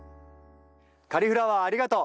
カリ・フラワーありがとう。